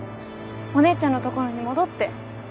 お姉ちゃんのところに戻って。